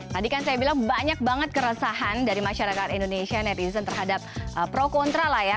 tadi kan saya bilang banyak banget keresahan dari masyarakat indonesia netizen terhadap pro kontra lah ya